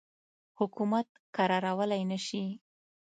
حکومت کرارولای نه شي.